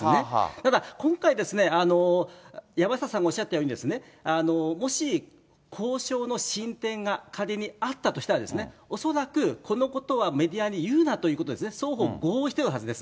ただ、今回ですね、山下さんがおっしゃったように、もし、交渉の進展が仮にあったとしたらですね、恐らくこのことはメディアに言うなということをですね、双方、合意してるはずです。